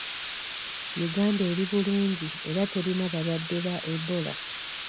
Uganda eri bulungi era terina balwadde ba Ebola